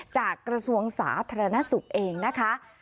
กระทรวงสาธารณสุขเองนะคะ